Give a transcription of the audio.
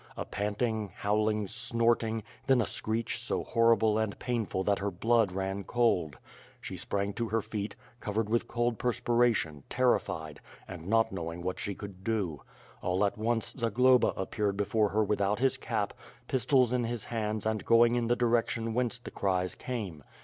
A panting, howl ing, snorting, then a screech so horrible and painful that her blood ran cold. She sprang to her feet, covered with cold perspiration, terrified, and not knowing what she should do. All at once, Zagloba appeared before her without his cap, pistols in his hands and going in the direction whence the cries came.